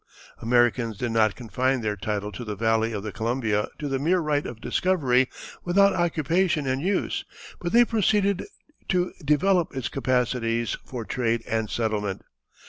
Americans did not confine their title to the valley of the Columbia to the mere right of discovery without occupation and use, but they proceeded to develop its capacities for trade and settlement.